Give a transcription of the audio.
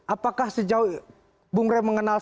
apakah sejauh bang ray mengenal